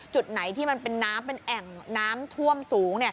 จุดไหนที่มันเป็นน้ำเป็นแอ่งน้ำท่วมสูง